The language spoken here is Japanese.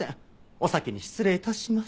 お先に失礼致します。